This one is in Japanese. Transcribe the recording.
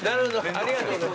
ありがとうございます。